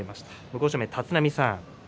向正面の立浪さん